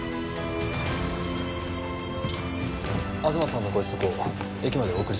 東さんのご子息を駅までお送りしました。